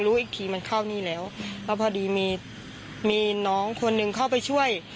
รู้อีกทีมันเข้านี่แล้วแล้วพอดีมีมีน้องคนหนึ่งเข้าไปช่วย